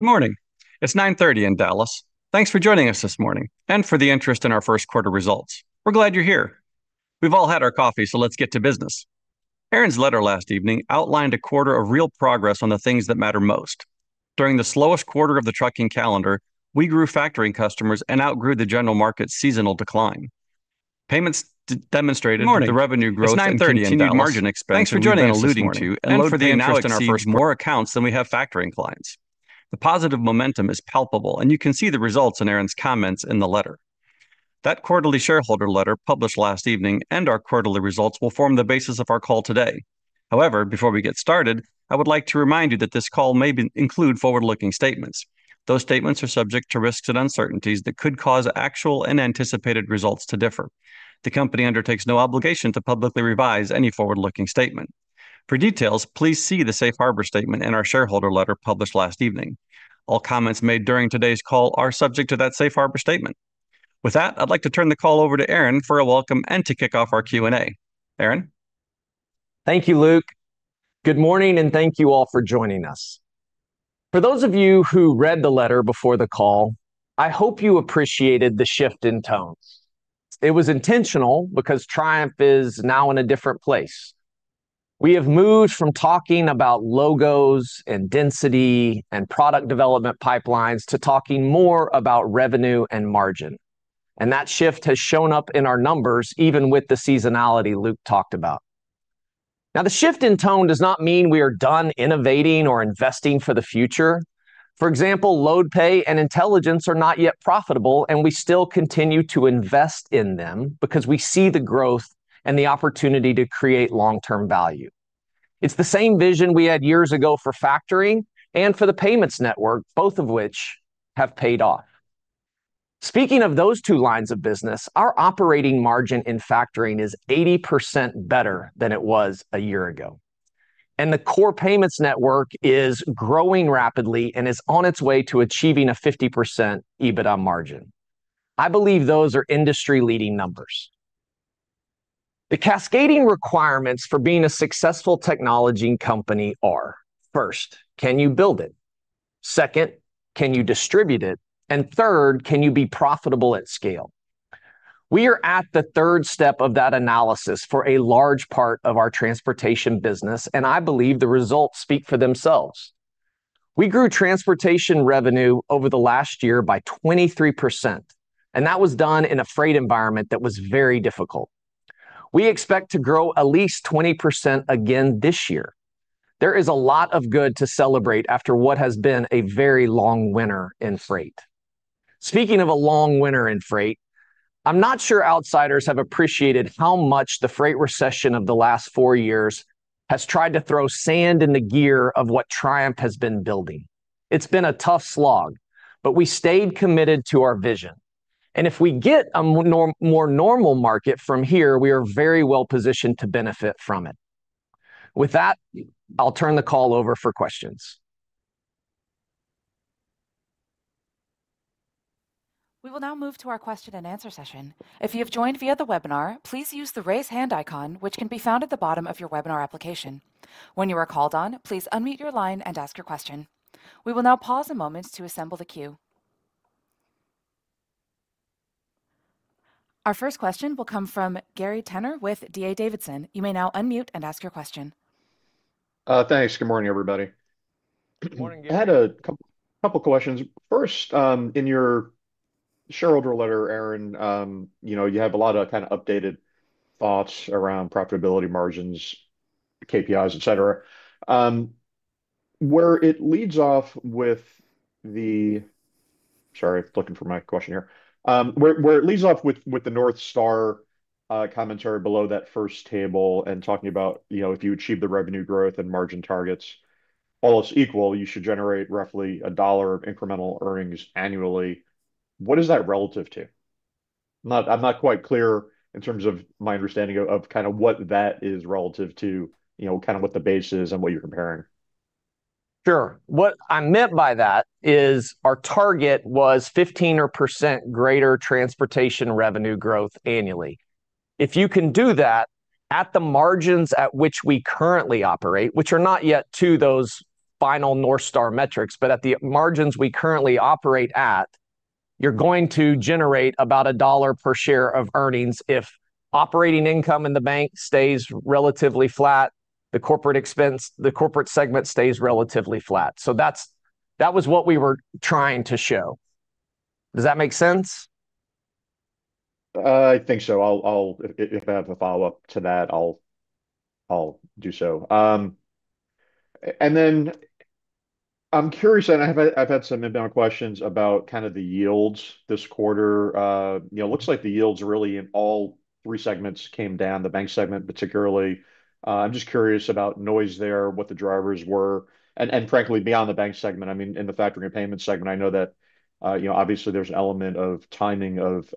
Good morning. It's 9:30 A.M. in Dallas. Thanks for joining us this morning and for the interest in our first quarter results. We're glad you're here. We've all had our coffee, so let's get to business. Aaron's letter last evening outlined a quarter of real progress on the things that matter most. During the slowest quarter of the trucking calendar, we grew factoring customers and outgrew the general market's seasonal decline. Payments demonstrated the revenue growth and continued margin expansion we've been alluding to, and LoadPay now exceeds more accounts than we have factoring clients. The positive momentum is palpable, and you can see the results in Aaron's comments in the letter. That quarterly shareholder letter, published last evening, and our quarterly results will form the basis of our call today. However, before we get started, I would like to remind you that this call may include forward-looking statements. Those statements are subject to risks and uncertainties that could cause actual and anticipated results to differ. The company undertakes no obligation to publicly revise any forward-looking statement. For details, please see the safe harbor statement in our shareholder letter published last evening. All comments made during today's call are subject to that safe harbor statement. With that, I'd like to turn the call over to Aaron for a welcome and to kick off our Q&A. Aaron? Thank you, Luke. Good morning, and thank you all for joining us. For those of you who read the letter before the call, I hope you appreciated the shift in tone. It was intentional because Triumph is now in a different place. We have moved from talking about logos and density and product development pipelines to talking more about revenue and margin, and that shift has shown up in our numbers, even with the seasonality Luke talked about. Now, the shift in tone does not mean we are done innovating or investing for the future. For example, LoadPay and Intelligence are not yet profitable, and we still continue to invest in them because we see the growth and the opportunity to create long-term value. It's the same vision we had years ago for Factoring and for the Payments network, both of which have paid off. Speaking of those two lines of business, our operating margin in Factoring is 80% better than it was a year ago, and the core Payments network is growing rapidly and is on its way to achieving a 50% EBITDA margin. I believe those are industry-leading numbers. The cascading requirements for being a successful technology company are, first, can you build it? Second, can you distribute it? And third, can you be profitable at scale? We are at the third step of that analysis for a large part of our transportation business, and I believe the results speak for themselves. We grew transportation revenue over the last year by 23%, and that was done in a freight environment that was very difficult. We expect to grow at least 20% again this year. There is a lot of good to celebrate after what has been a very long winter in freight. Speaking of a long winter in freight, I'm not sure outsiders have appreciated how much the freight recession of the last four years has tried to throw sand in the gear of what Triumph has been building. It's been a tough slog, but we stayed committed to our vision, and if we get a more normal market from here, we are very well-positioned to benefit from it. With that, I'll turn the call over for questions. We will now move to our question and answer session. If you have joined via the webinar, please use the Raise Hand icon, which can be found at the bottom of your webinar application. When you are called on, please unmute your line and ask your question. We will now pause a moment to assemble the queue. Our first question will come from Gary Tenner with D.A. Davidson. You may now unmute and ask your question. Thanks. Good morning, everybody. Good morning, Gary. I had a couple of questions. First, in your shareholder letter, Aaron, you have a lot of kind of updated thoughts around profitability margins, KPIs, et cetera. Where it leads off with the North Star commentary below that first table and talking about if you achieve the revenue growth and margin targets, all else equal, you should generate roughly a dollar of incremental earnings annually. What is that relative to? I'm not quite clear in terms of my understanding of kind of what that is relative to what the base is and what you're comparing. Sure. What I meant by that is our target was 15% or greater transportation revenue growth annually. If you can do that at the margins at which we currently operate, which are not yet to those final North Star metrics, but at the margins we currently operate at, you're going to generate about $1 per share of earnings if operating income in the bank stays relatively flat, the corporate segment stays relatively flat. That was what we were trying to show. Does that make sense? I think so. If I have a follow-up to that, I'll do so. Then I'm curious, and I've had some inbound questions about kind of the yields this quarter. It looks like the yields really in all three segments came down, the Bank segment particularly. I'm just curious about noise there, what the drivers were, and frankly, beyond the Bank segment, I mean, in the Factoring and Payments segment, I know that obviously there's an element of timing of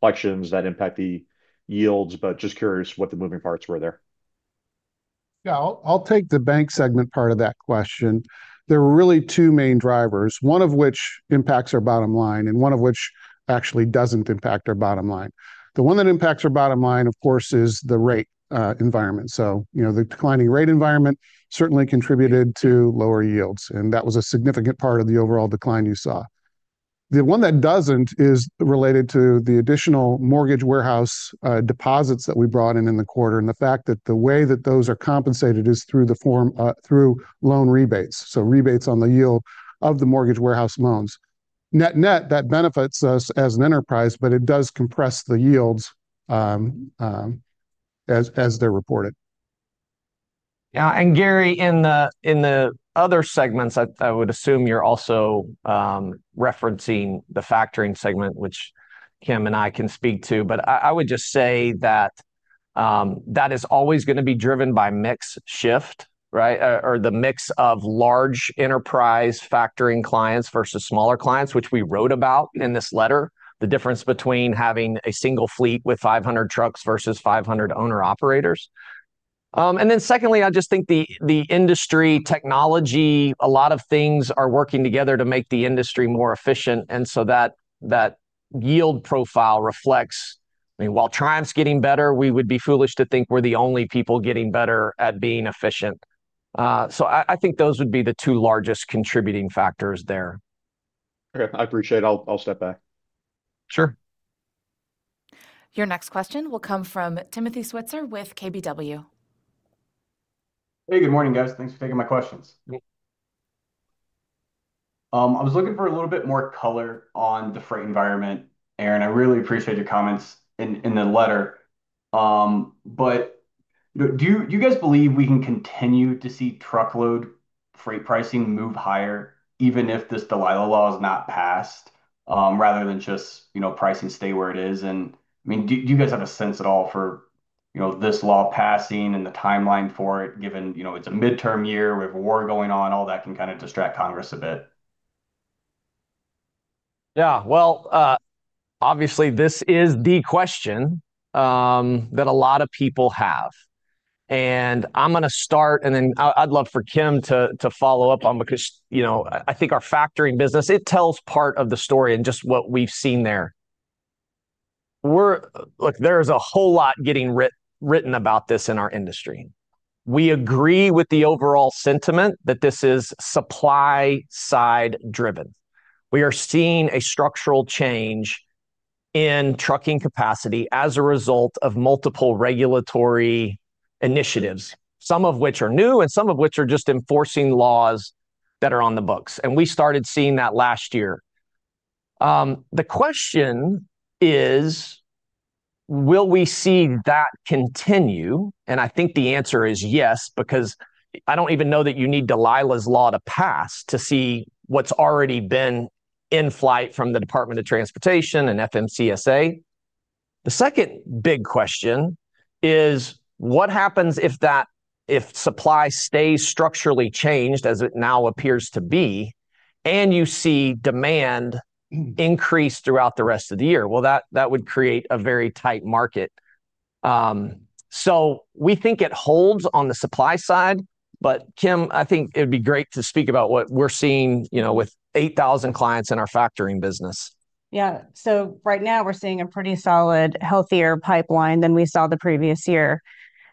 collections that impact the yields, but just curious what the moving parts were there. Yeah, I'll take the Bank segment part of that question. There were really two main drivers, one of which impacts our bottom line and one of which actually doesn't impact our bottom line. The one that impacts our bottom line, of course, is the rate environment. The declining rate environment certainly contributed to lower yields, and that was a significant part of the overall decline you saw. The one that doesn't is related to the additional mortgage warehouse deposits that we brought in in the quarter, and the fact that the way that those are compensated is through loan rebates, so rebates on the yield of the mortgage warehouse loans. Net-net, that benefits us as an enterprise, but it does compress the yields as they're reported. Yeah. Gary, in the other segments, I would assume you're also referencing the Factoring segment, which Kim and I can speak to, but I would just say that that is always going to be driven by mix shift, right? Or the mix of large enterprise factoring clients versus smaller clients, which we wrote about in this letter, the difference between having a single fleet with 500 trucks versus 500 owner-operators. Secondly, I just think the industry technology, a lot of things are working together to make the industry more efficient, and so that yield profile reflects. I mean, while Triumph's getting better, we would be foolish to think we're the only people getting better at being efficient. I think those would be the two largest contributing factors there. Okay. I appreciate. I'll step back. Sure. Your next question will come from Timothy Switzer with KBW. Hey, good morning, guys. Thanks for taking my questions. Yeah. I was looking for a little bit more color on the freight environment. Aaron, I really appreciate your comments in the letter, but do you guys believe we can continue to see truckload freight pricing move higher even if this Dalilah Law is not passed, rather than just pricing stay where it is? I mean, do you guys have a sense at all for this law passing and the timeline for it, given it's a midterm year, we have a war going on, all that can kind of distract Congress a bit? Yeah. Well, obviously, this is the question that a lot of people have. I'm going to start, and then I'd love for Kim to follow up on because, I think our Factoring business, it tells part of the story and just what we've seen there. Look, there is a whole lot getting written about this in our industry. We agree with the overall sentiment that this is supply-side driven. We are seeing a structural change in trucking capacity as a result of multiple regulatory initiatives, some of which are new, and some of which are just enforcing laws that are on the books. We started seeing that last year. The question is: Will we see that continue? I think the answer is yes, because I don't even know that you need Dalilah's Law to pass to see what's already been in flight from the Department of Transportation and FMCSA. The second big question is what happens if supply stays structurally changed as it now appears to be, and you see demand increase throughout the rest of the year? Well, that would create a very tight market. We think it holds on the supply side. Kim, I think it'd be great to speak about what we're seeing, with 8,000 clients in our Factoring business. Yeah. Right now we're seeing a pretty solid, healthier pipeline than we saw the previous year.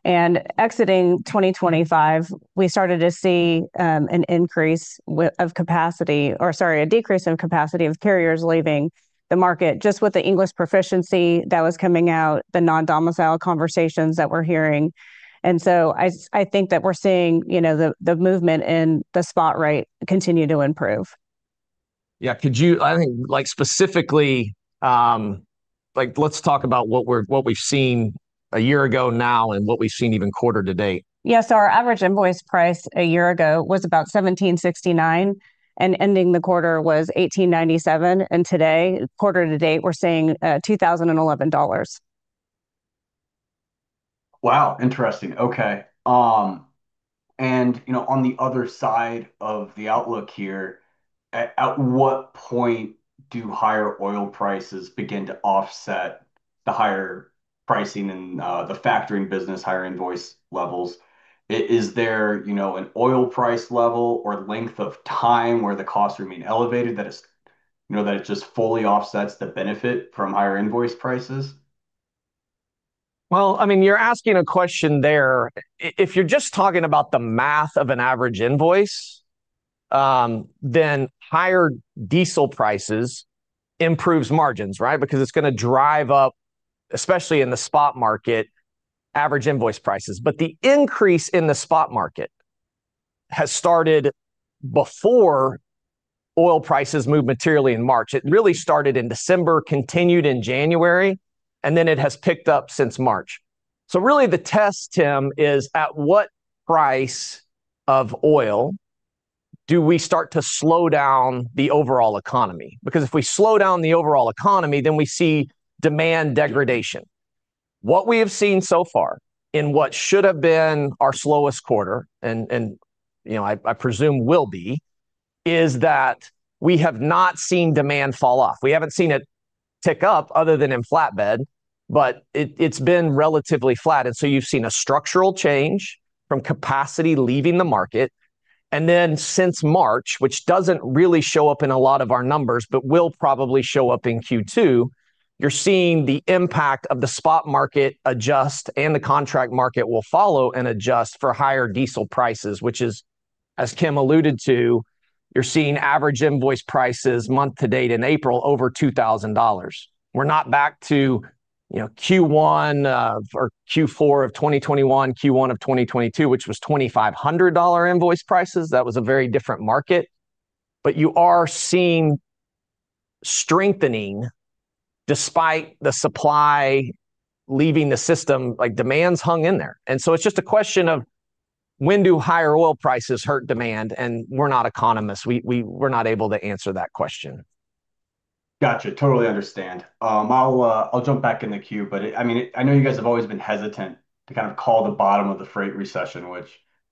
Exiting 2025, we started to see a decrease in capacity with carriers leaving the market, just with the English proficiency that was coming out, the non-domicile conversations that we're hearing. I think that we're seeing the movement in the spot rate continue to improve. Yeah. I think, specifically, let's talk about what we've seen a year ago now and what we've seen even quarter to date. Yeah. Our average invoice price a year ago was about $1,769, and, ending the quarter, was $1,897. Today, quarter to date, we're seeing $2,011. Wow. Interesting. Okay. On the other side of the outlook here, at what point do higher oil prices begin to offset the higher pricing in the Factoring business, higher invoice levels? Is there an oil price level or length of time where the costs remain elevated that it just fully offsets the benefit from higher invoice prices? Well, I mean, you're asking a question there. If you're just talking about the math of an average invoice, then higher diesel prices improves margins, right? Because it's going to drive up, especially in the spot market, average invoice prices. But the increase in the spot market has started before oil prices moved materially in March. It really started in December, continued in January, and then it has picked up since March. Really the test, Tim, is at what price of oil do we start to slow down the overall economy? Because if we slow down the overall economy, then we see demand degradation. What we have seen so far in what should have been our slowest quarter, and I presume will be, is that we have not seen demand fall off. We haven't seen it tick up other than in flatbed, but it's been relatively flat. You've seen a structural change from capacity leaving the market. And then since March, which doesn't really show up in a lot of our numbers, but will probably show up in Q2, you're seeing the impact of the spot market adjust and the contract market will follow and adjust for higher diesel prices, which, as Kim alluded to, you're seeing average invoice prices month to date in April over $2,000. We're not back to Q4 of 2021, Q1 of 2022, which was $2,500 invoice prices. That was a very different market. ou are seeing strengthening despite the supply leaving the system, demand's hung in there. It's just a question of when do higher oil prices hurt demand, and we're not economists. We're not able to answer that question. Got you. Totally understand. I'll jump back in the queue, but I know you guys have always been hesitant to call the bottom of the freight recession, which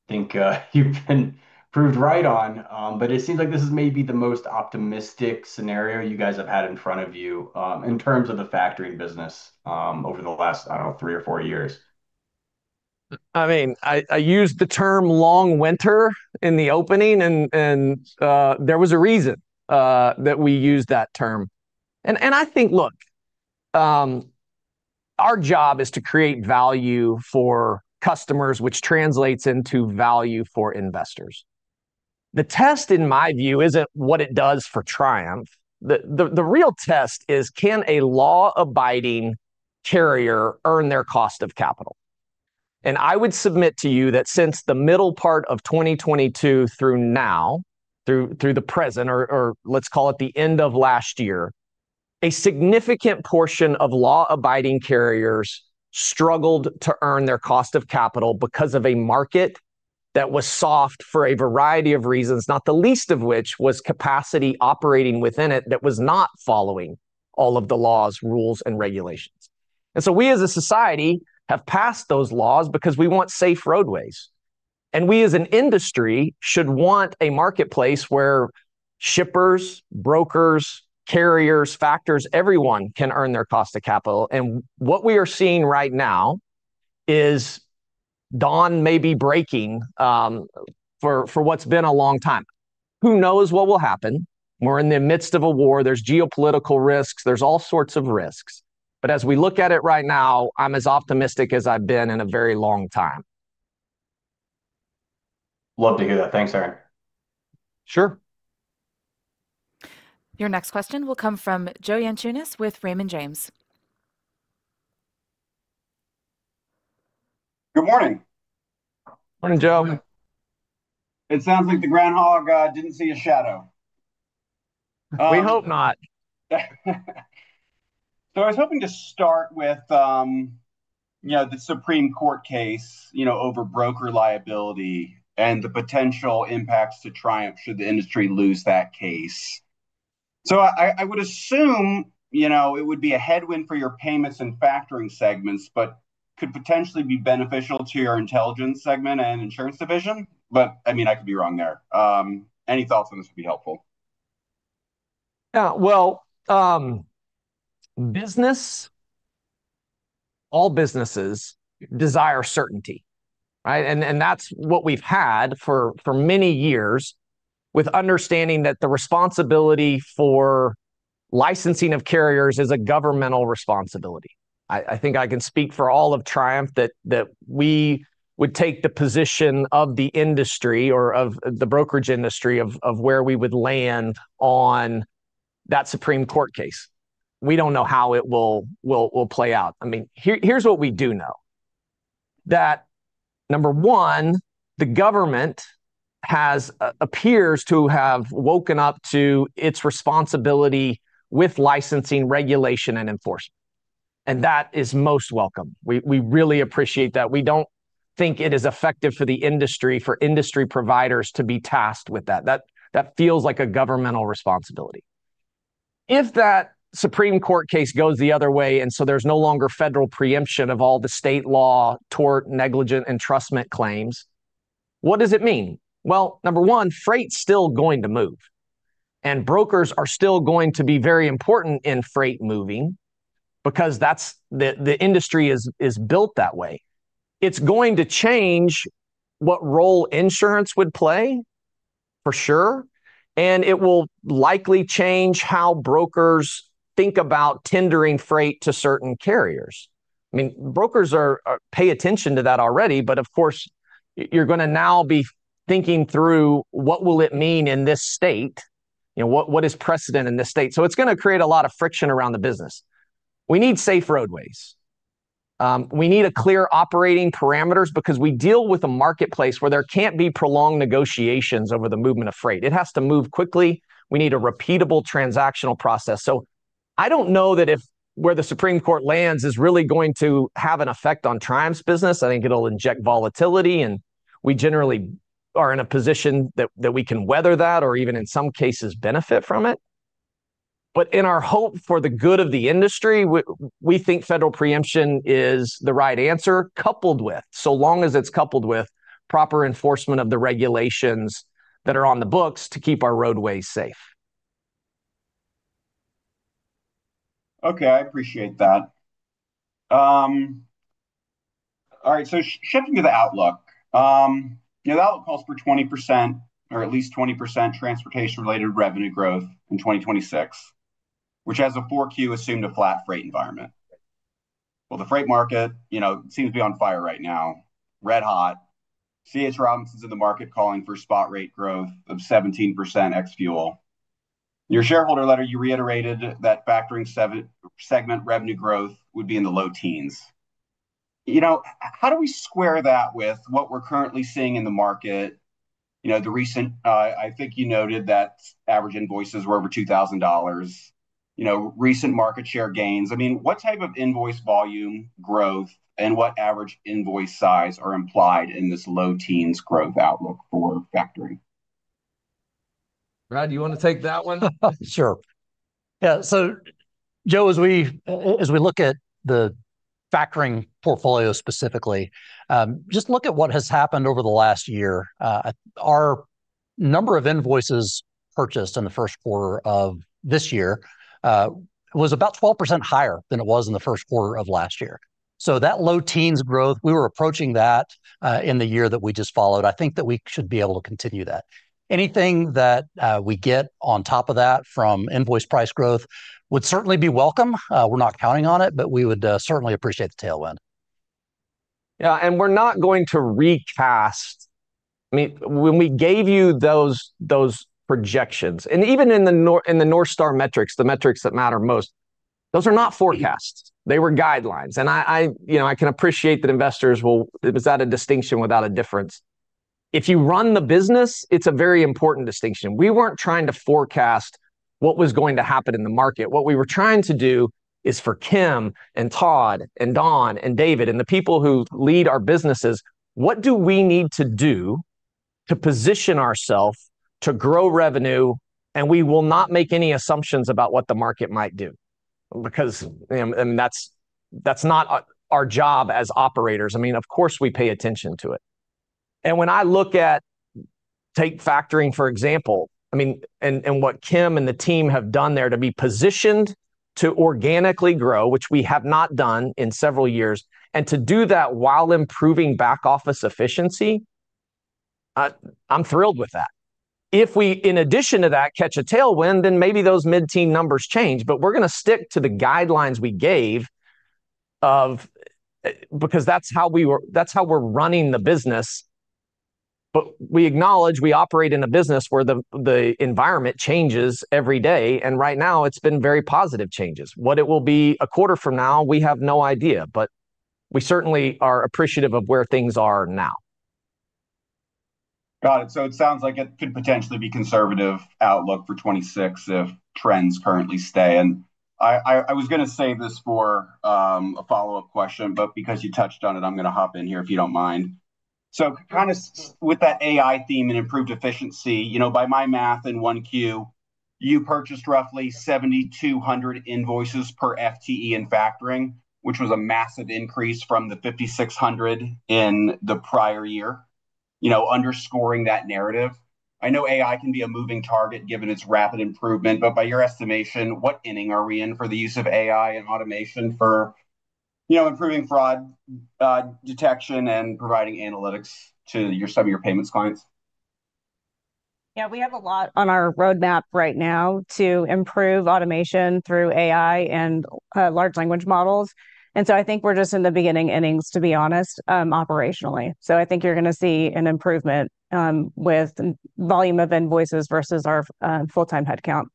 I think you've been proved right on. It seems like this is maybe the most optimistic scenario you guys have had in front of you in terms of the factoring business over the last, I don't know, three or four years. I used the term long winter in the opening and there was a reason that we used that term. I think our job is to create value for customers, which translates into value for investors. The test, in my view, isn't what it does for Triumph. The real test is can a law-abiding carrier earn their cost of capital? And I would submit to you that since the middle part of 2022 through now, through the present, or let's call it the end of last year, a significant portion of law-abiding carriers struggled to earn their cost of capital because of a market that was soft for a variety of reasons, not the least of which was capacity operating within it that was not following all of the laws, rules, and regulations. We as a society have passed those laws because we want safe roadways. And we as an industry should want a marketplace where shippers, brokers, carriers, factors, everyone can earn their cost of capital. What we are seeing right now is dawn may be breaking for what's been a long time. Who knows what will happen? We're in the midst of a war. There's geopolitical risks. There's all sorts of risks. But as we look at it right now, I'm as optimistic as I've been in a very long time. Love to hear that. Thanks, Aaron. Sure. Your next question will come from Joe Yanchunis with Raymond James. Good morning. Morning, Joe. It sounds like the groundhog didn't see a shadow. We hope not. I was hoping to start with the Supreme Court case over broker liability and the potential impacts to Triumph should the industry lose that case. I would assume it would be a headwind for your payments and factoring segments, but could potentially be beneficial to your intelligence segment and insurance division. I could be wrong there. Any thoughts on this would be helpful. Yeah. Well, all businesses desire certainty, right? And that's what we've had for many years with understanding that the responsibility for licensing of carriers is a governmental responsibility. I think I can speak for all of Triumph that we would take the position of the industry or of the brokerage industry of where we would land on that Supreme Court case. We don't know how it will play out. Here's what we do know. That number one, the government appears to have woken up to its responsibility with licensing regulation and enforcement. That is most welcome. We really appreciate that. We don't think it is effective for the industry, for industry providers to be tasked with that. That feels like a governmental responsibility. If that Supreme Court case goes the other way, and so there's no longer federal preemption of all the state law tort, negligent entrustment claims, what does it mean? Well, number one, freight's still going to move, and brokers are still going to be very important in freight moving because the industry is built that way. It's going to change what role insurance would play, for sure, and it will likely change how brokers think about tendering freight to certain carriers. Brokers pay attention to that already, but of course, you're going to now be thinking through what will it mean in this state? What is precedent in this state? It's going to create a lot of friction around the business. We need safe roadways. We need a clear operating parameters because we deal with a marketplace where there can't be prolonged negotiations over the movement of freight. It has to move quickly. We need a repeatable transactional process. I don't know if where the Supreme Court lands is really going to have an effect on Triumph's business. I think it'll inject volatility, and we generally are in a position that we can weather that, or even in some cases, benefit from it. In our hope for the good of the industry, we think federal preemption is the right answer, so long as it's coupled with proper enforcement of the regulations that are on the books to keep our roadways safe. Okay, I appreciate that. All right, shifting to the outlook. The outlook calls for 20% or at least 20% transportation-related revenue growth in 2026, which has a 4Q assumed a flat rate environment. Well, the freight market seems to be on fire right now. Red hot. C.H. Robinson's in the market calling for spot rate growth of 17% ex fuel. Your shareholder letter, you reiterated that Factoring segment revenue growth would be in the low teens. How do we square that with what we're currently seeing in the market? The recent, I think you noted that average invoices were over $2,000, recent market share gains. What type of invoice volume growth and what average invoice size are implied in this low teens growth outlook for Factoring? Brad, do you want to take that one? Sure. Yeah. Joe, as we look at the Factoring portfolio specifically, just look at what has happened over the last year. Our number of invoices purchased in the first quarter of this year was about 12% higher than it was in the first quarter of last year. That low teens growth, we were approaching that, in the year that we just finished. I think that we should be able to continue that. Anything that we get on top of that from invoice price growth would certainly be welcome. We're not counting on it, but we would certainly appreciate the tailwind. Yeah, we're not going to recast. When we gave you those projections, and even in the North Star metrics, the metrics that matter most, those are not forecasts. They were guidelines. I can appreciate that investors will. Is that a distinction without a difference? If you run the business, it's a very important distinction. We weren't trying to forecast what was going to happen in the market. What we were trying to do is for Kim and Todd and Don and David and the people who lead our businesses, what do we need to do to position ourselves to grow revenue, and we will not make any assumptions about what the market might do because, and that's not our job as operators. Of course, we pay attention to it. When I look at, take Factoring, for example, and what Kim and the team have done there to be positioned to organically grow, which we have not done in several years, and to do that while improving back office efficiency, I'm thrilled with that. If we, in addition to that, catch a tailwind, then maybe those mid-teen numbers change. We're going to stick to the guidelines we gave because that's how we're running the business. We acknowledge we operate in a business where the environment changes every day, and right now it's been very positive changes. What it will be a quarter from now, we have no idea. We certainly are appreciative of where things are now. Got it. It sounds like it could potentially be conservative outlook for 2026 if trends currently stay. I was going to save this for a follow-up question, but because you touched on it, I'm going to hop in here, if you don't mind. Kind of with that AI theme and improved efficiency, by my math in 1Q, you purchased roughly 7,200 invoices per FTE in Factoring, which was a massive increase from the 5,600 in the prior year, underscoring that narrative. I know AI can be a moving target given its rapid improvement, but by your estimation, what inning are we in for the use of AI and automation for improving fraud detection and providing analytics to some of your payments clients? Yeah, we have a lot on our roadmap right now to improve automation through AI and large language models. I think we're just in the beginning innings, to be honest, operationally. I think you're going to see an improvement, with volume of invoices versus our full-time headcount.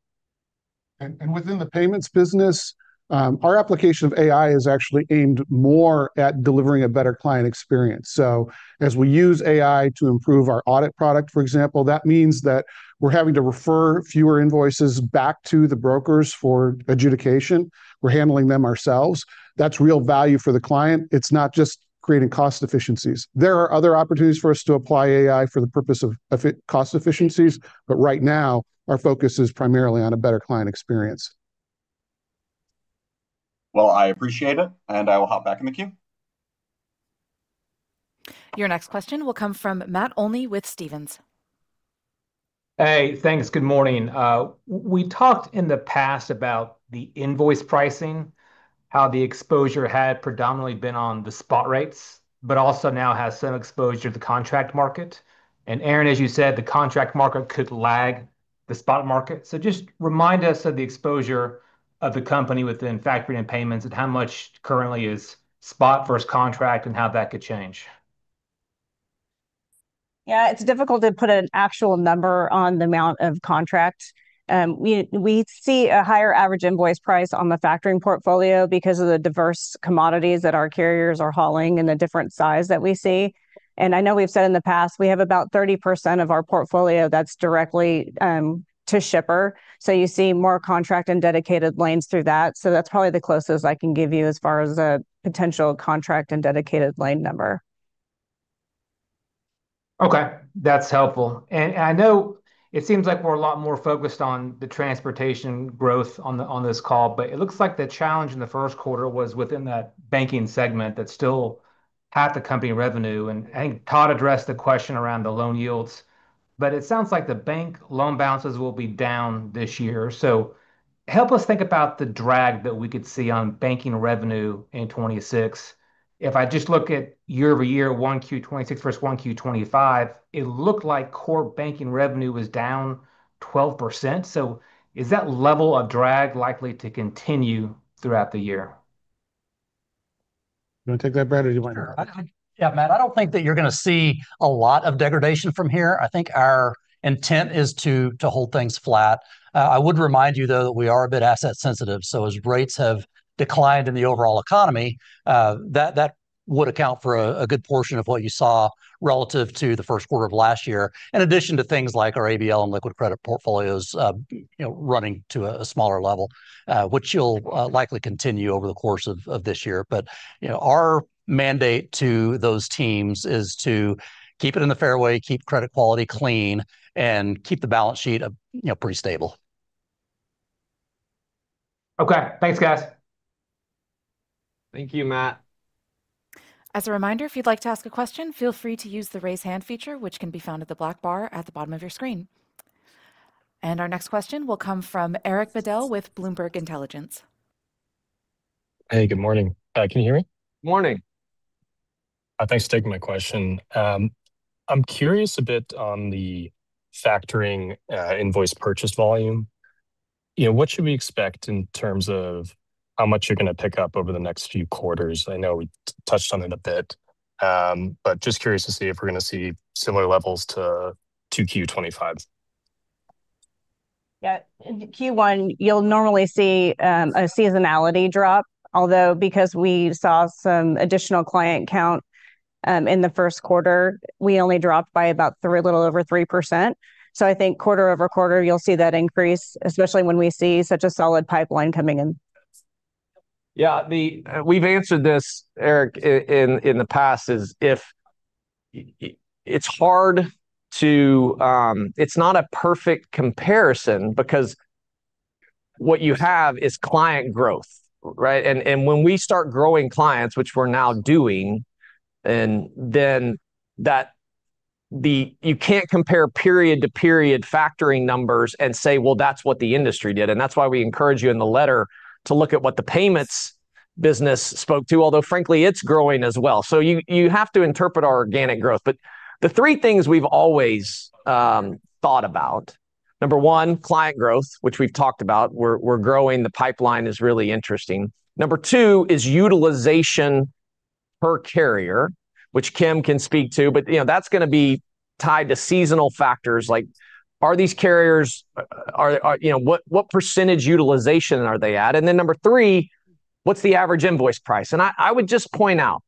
Within the Payments business, our application of AI is actually aimed more at delivering a better client experience. As we use AI to improve our audit product, for example, that means that we're having to refer fewer invoices back to the brokers for adjudication. We're handling them ourselves. That's real value for the client. It's not just creating cost efficiencies. There are other opportunities for us to apply AI for the purpose of cost efficiencies, but right now our focus is primarily on a better client experience. Well, I appreciate it, and I will hop back in the queue. Your next question will come from Matt Olney with Stephens. Hey, thanks. Good morning. We talked in the past about the invoice pricing, how the exposure had predominantly been on the spot rates, but also now has some exposure to the contract market. Aaron, as you said, the contract market could lag the spot market. Just remind us of the exposure of the company within Factoring and Payments and how much currently is spot versus contract and how that could change. Yeah. It's difficult to put an actual number on the amount of contract. We see a higher average invoice price on the factoring portfolio because of the diverse commodities that our carriers are hauling and the different size that we see. I know we've said in the past, we have about 30% of our portfolio that's directly to shipper. You see more contract and dedicated lanes through that. That's probably the closest I can give you as far as a potential contract and dedicated lane number. Okay. That's helpful. I know it seems like we're a lot more focused on the transportation growth on this call, but it looks like the challenge in the first quarter was within that Banking segment that's still half the company revenue. I think Todd addressed the question around the loan yields. It sounds like the bank loan balances will be down this year. Help us think about the drag that we could see on banking revenue in 2026. If I just look at year-over-year 1Q 2026 versus 1Q 2025, it looked like core banking revenue was down 12%. Is that level of drag likely to continue throughout the year? You want to take that, Brad, or do you want? Sure. Yeah, Matt, I don't think that you're going to see a lot of degradation from here. I think our intent is to hold things flat. I would remind you, though, that we are a bit asset-sensitive, so as rates have declined in the overall economy, that would account for a good portion of what you saw relative to the first quarter of last year. In addition to things like our ABL and liquid credit portfolios running to a smaller level, which you'll likely continue over the course of this year. Our mandate to those teams is to keep it in the fairway, keep credit quality clean, and keep the balance sheet pretty stable. Okay. Thanks, guys. Thank you, Matt. As a reminder, if you'd like to ask a question, feel free to use the Raise Hand feature, which can be found at the black bar at the bottom of your screen. Our next question will come from Eric Bedell with Bloomberg Intelligence. Hey, good morning. Can you hear me? Morning. Thanks for taking my question. I'm curious a bit on the Factoring invoice purchase volume. What should we expect in terms of how much you're going to pick up over the next few quarters? I know we touched on it a bit, but just curious to see if we're going to see similar levels to 2Q 2025. Yeah. In Q1, you'll normally see a seasonality drop, although because we saw some additional client count in the first quarter, we only dropped by about a little over 3%. I think quarter-over-quarter, you'll see that increase, especially when we see such a solid pipeline coming in. Yeah. We've answered this, Eric, in the past. It's not a perfect comparison because what you have is client growth, right? When we start growing clients, which we're now doing, you can't compare period-to-period factoring numbers and say, "Well, that's what the industry did." That's why we encourage you in the letter to look at what the Payments business spoke to, although frankly, it's growing as well. You have to interpret our organic growth. The three things we've always thought about, number one, client growth, which we've talked about. We're growing. The pipeline is really interesting. Number two is utilization per carrier, which Kim can speak to. That's going to be tied to seasonal factors like, what percentage utilization are they at? Then number three, what's the average invoice price? I would just point out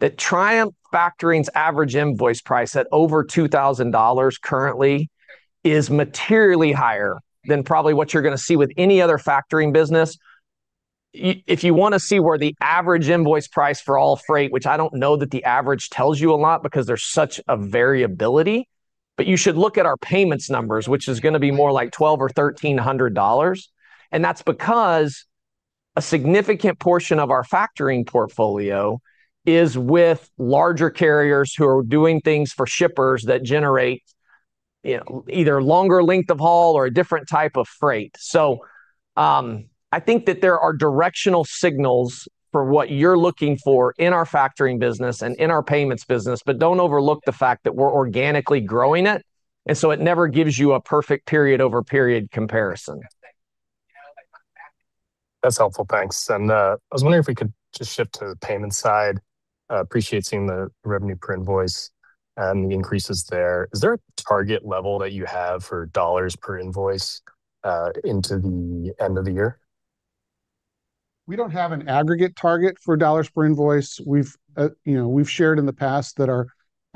that Triumph Factoring's average invoice price at over $2,000 currently is materially higher than probably what you're going to see with any other Factoring business. If you want to see where the average invoice price for all freight, which I don't know that the average tells you a lot because there's such a variability, but you should look at our payments numbers, which is going to be more like $1,200 or $1,300. That's because a significant portion of our Factoring portfolio is with larger carriers who are doing things for shippers that generate either longer length of haul or a different type of freight. I think that there are directional signals for what you're looking for in our Factoring business and in our Payments business, but don't overlook the fact that we're organically growing it, and so it never gives you a perfect period-over-period comparison. That's helpful. Thanks. I was wondering if we could just shift to the Payment side. Appreciate seeing the revenue per invoice and the increases there. Is there a target level that you have for dollars per invoice into the end of the year? We don't have an aggregate target for dollars per invoice. We've shared in the past that our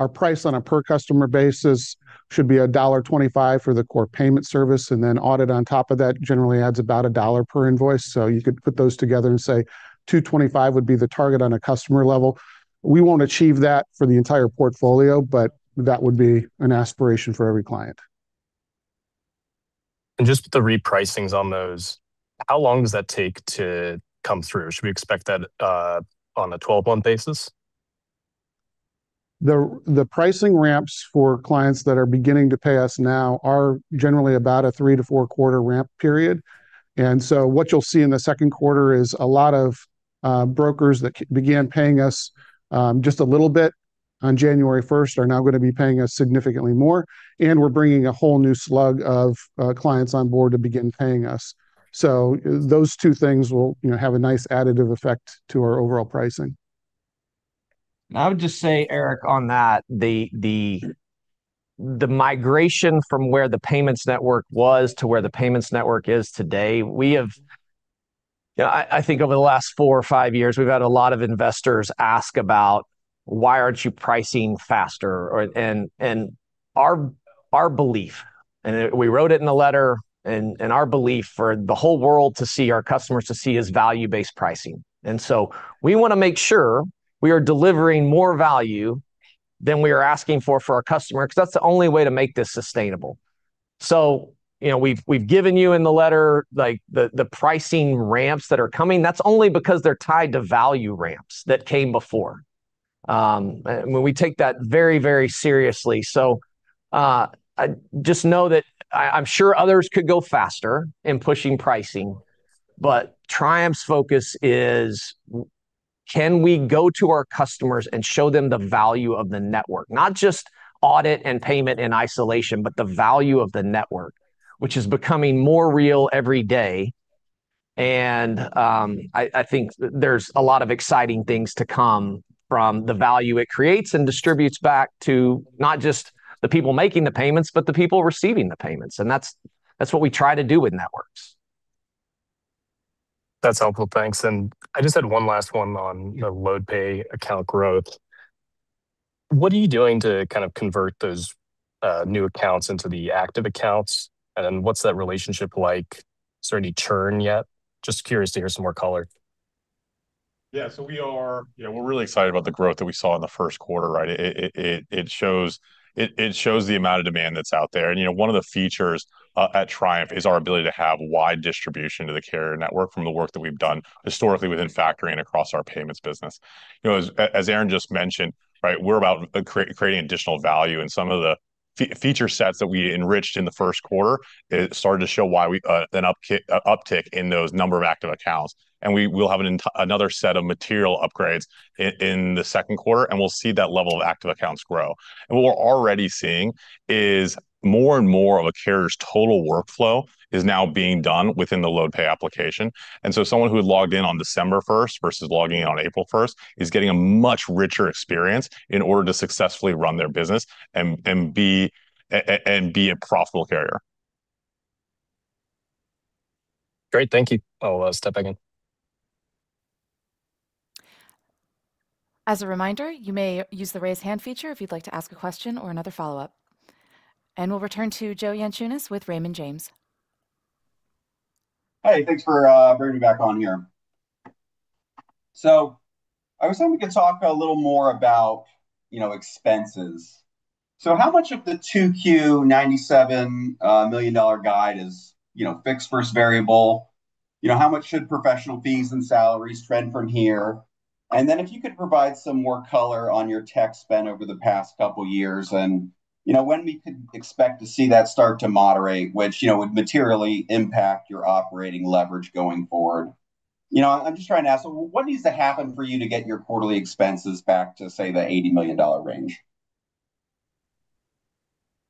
price on a per customer basis should be $1.25 for the core payment service, and then audit on top of that generally adds about $1 per invoice. You could put those together and say $2.25 would be the target on a customer level. We won't achieve that for the entire portfolio, but that would be an aspiration for every client. Just with the repricings on those, how long does that take to come through? Should we expect that on a 12-month basis? The pricing ramps for clients that are beginning to pay us now are generally about a three to four quarter ramp period. What you'll see in the second quarter is a lot of brokers that began paying us just a little bit on January 1st are now going to be paying us significantly more, and we're bringing a whole new slug of clients on board to begin paying us. Those two things will have a nice additive effect to our overall pricing. I would just say, Eric, on that, the migration from where the payments network was to where the payments network is today. I think over the last four or five years, we've had a lot of investors ask about why aren't you pricing faster? Our belief, and we wrote it in a letter, and our belief for the whole world to see, our customers to see, is value-based pricing. We want to make sure we are delivering more value than we are asking for our customer because that's the only way to make this sustainable. We've given you in the letter the pricing ramps that are coming. That's only because they're tied to value ramps that came before. We take that very, very seriously. Just know that I'm sure others could go faster in pushing pricing, but Triumph's focus is can we go to our customers and show them the value of the network, not just audit and payment in isolation, but the value of the network, which is becoming more real every day. I think there's a lot of exciting things to come from the value it creates and distributes back to not just the people making the payments, but the people receiving the payments. That's what we try to do with networks. That's helpful. Thanks. I just had one last one on the LoadPay account growth. What are you doing to kind of convert those new accounts into the active accounts, and what's that relationship like? Is there any churn yet? Just curious to hear some more color. Yeah, we're really excite`d about the growth that we saw in the first quarter, right? It shows the amount of demand that's out there. One of the features at Triumph is our ability to have wide distribution to the carrier network from the work that we've done historically within Factoring across our Payments business. As Aaron just mentioned, right, we're about creating additional value in some of the feature sets that we enriched in the first quarter. It started to show with an uptick in the number of active accounts. We'll have another set of material upgrades in the second quarter, and we'll see that level of active accounts grow. What we're already seeing is more and more of a carrier's total workflow is now being done within the LoadPay application. Someone who had logged in on December 1st versus logging in on April 1st is getting a much richer experience in order to successfully run their business and be a profitable carrier. Great, thank you. I'll step back in. As a reminder, you may use the Raise Hand feature if you'd like to ask a question or another follow-up. We'll return to Joe Yanchunis with Raymond James. Hey, thanks for bringing me back on here. I was hoping we could talk a little more about expenses. How much of the 2Q $97 million guide is fixed versus variable? How much should professional fees and salaries trend from here? If you could provide some more color on your tech spend over the past couple years and when we could expect to see that start to moderate, which would materially impact your operating leverage going forward. I'm just trying to ask, so what needs to happen for you to get your quarterly expenses back to, say, the $80 million range?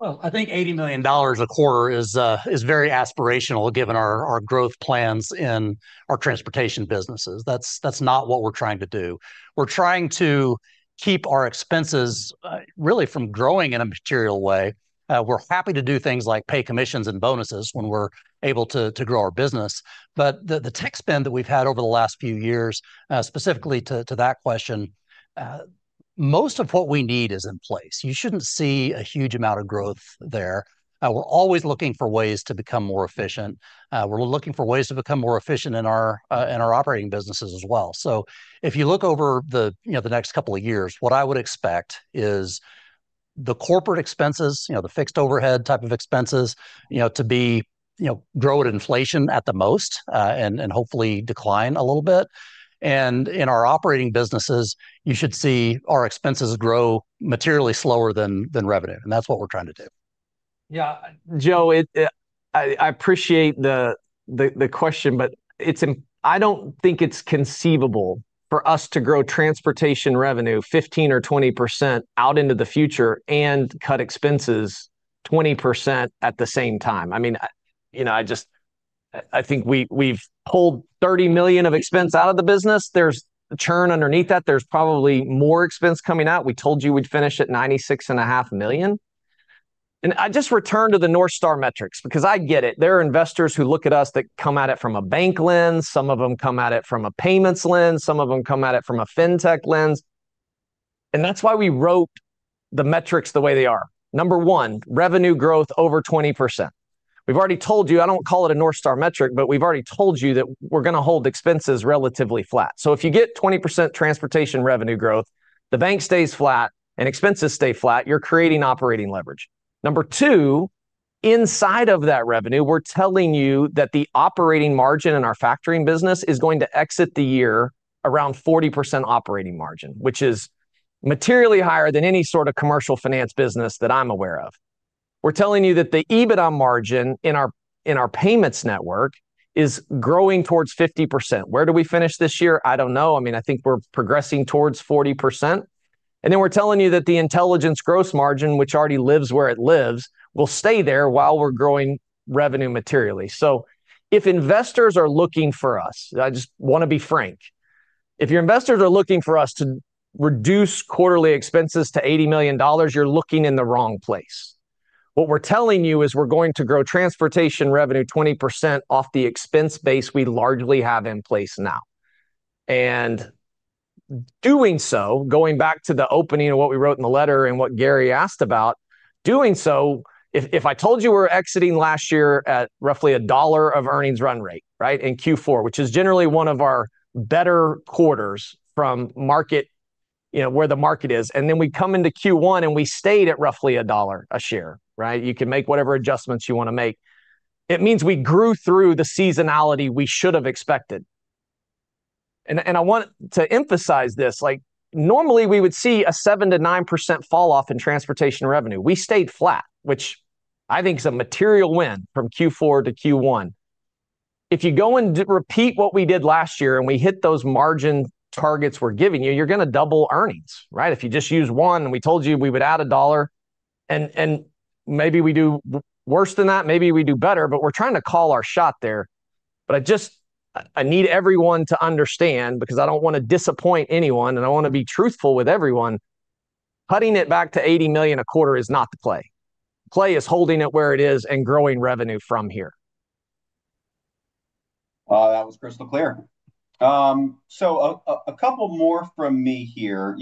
Well, I think $80 million a quarter is very aspirational given our growth plans in our transportation businesses. That's not what we're trying to do. We're trying to keep our expenses really from growing in a material way. We're happy to do things like pay commissions and bonuses when we're able to grow our business. But the tech spend that we've had over the last few years, specifically to that question, most of what we need is in place. You shouldn't see a huge amount of growth there. We're always looking for ways to become more efficient. We're looking for ways to become more efficient in our Operating businesses as well. If you look over the next couple of years, what I would expect is the corporate expenses, the fixed overhead type of expenses, to grow with inflation at the most, and hopefully decline a little bit. In our Operating businesses, you should see our expenses grow materially slower than revenue, and that's what we're trying to do. Yeah. Joe, I appreciate the question, but I don't think it's conceivable for us to grow transportation revenue 15% or 20% out into the future and cut expenses 20% at the same time. I think we've pulled $30 million of expense out of the business. There's churn underneath that. There's probably more expense coming out. We told you we'd finish at $96.5 million. I just return to the North Star metrics because I get it. There are investors who look at us that come at it from a bank lens. Some of them come at it from a payments lens. Some of them come at it from a fintech lens. That's why we wrote the metrics the way they are. Number one, revenue growth over 20%. We've already told you, I don't call it a North Star metric, but we've already told you that we're going to hold expenses relatively flat. If you get 20% transportation revenue growth, the bank stays flat and expenses stay flat, you're creating operating leverage. Number two, inside of that revenue, we're telling you that the operating margin in our Factoring business is going to exit the year around 40% operating margin, which is materially higher than any sort of commercial finance business that I'm aware of. We're telling you that the EBITDA margin in our payments network is growing towards 50%. Where do we finish this year? I don't know. I think we're progressing towards 40%. Then we're telling you that the intelligence gross margin, which already lives where it lives, will stay there while we're growing revenue materially. If investors are looking for us, I just want to be frank. If your investors are looking for us to reduce quarterly expenses to $80 million, you're looking in the wrong place. What we're telling you is we're going to grow transportation revenue 20% off the expense base we largely have in place now. Doing so, going back to the opening of what we wrote in the letter and what Gary asked about, if I told you we're exiting last year at roughly $1 of earnings run rate, right, in Q4, which is generally one of our better quarters from where the market is, and then we come into Q1 and we stayed at roughly $1 a share, right? You can make whatever adjustments you want to make. It means we grew through the seasonality we should have expected. I want to emphasize this, like normally we would see a 7%-9% fall-off in transportation revenue. We stayed flat, which I think is a material win from Q4 to Q1. If you go and repeat what we did last year and we hit those margin targets we're giving you're going to double earnings, right? If you just use one and we told you we would add $1 and maybe we do worse than that, maybe we do better, but we're trying to call our shot there. I just need everyone to understand, because I don't want to disappoint anyone, and I want to be truthful with everyone, cutting it back to $80 million a quarter is not the play, the play is holding it where it is and growing revenue from here. Well, that was crystal clear. A couple more from me here.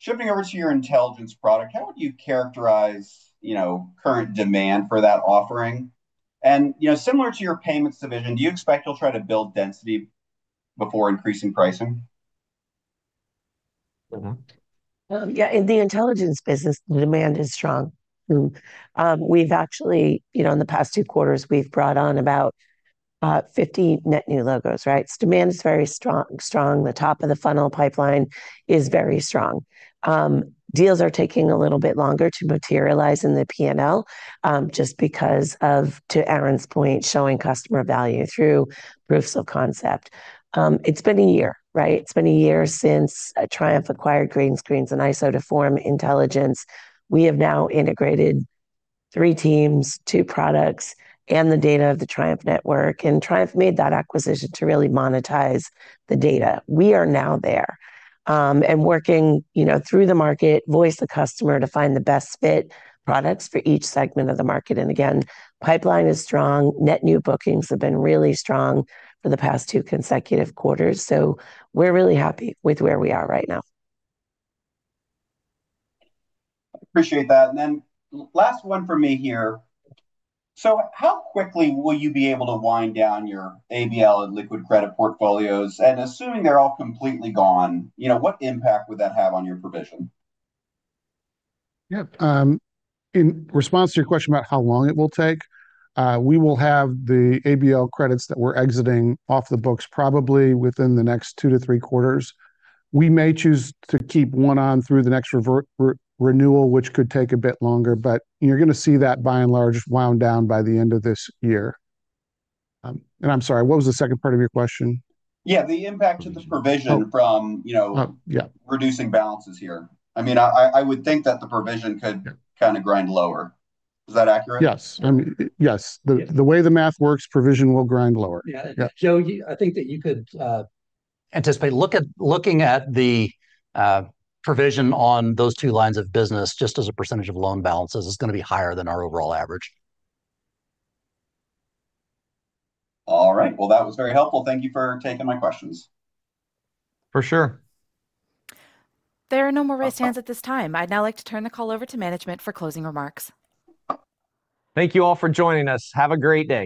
Shifting over to your Intelligence product, how would you characterize current demand for that offering? Similar to your Payments division, do you expect you'll try to build density before increasing pricing? Yeah, in the Intelligence business, the demand is strong. We've actually, in the past two quarters, we've brought on about 50 net new logos, right? So demand is very strong. The top of the funnel pipeline is very strong. Deals are taking a little bit longer to materialize in the P&L just because of, to Aaron's point, showing customer value through proofs of concept. It's been a year, right? It's been a year since Triumph acquired Greenscreens and Isometric to form Intelligence. We have now integrated three teams, two products, and the data of the Triumph network, and Triumph made that acquisition to really monetize the data. We are now there, and working through the market, voice of the customer to find the best fit products for each segment of the market. Again, pipeline is strong. Net new bookings have been really strong for the past two consecutive quarters. We're really happy with where we are right now. Appreciate that. Then last one from me here. How quickly will you be able to wind down your ABL and liquid credit portfolios? Assuming they're all completely gone, what impact would that have on your provision? Yeah. In response to your question about how long it will take, we will have the ABL credits that we're exiting off the books probably within the next two to three quarters. We may choose to keep one on through the next renewal, which could take a bit longer, but you're going to see that by and large wound down by the end of this year. I'm sorry, what was the second part of your question? Yeah, the impact of this provision from Oh, yeah. Reducing balances here. I would think that the provision could kind of grind lower. Is that accurate? Yes. The way the math works, provision will grind lower. Yeah. Joe, I think that you could anticipate, looking at the provision on those two lines of business, just as a percentage of loan balances, it's going to be higher than our overall average. All right. Well, that was very helpful. Thank you for taking my questions. For sure. There are no more raised hands at this time. I'd now like to turn the call over to management for closing remarks. Thank you all for joining us. Have a great day.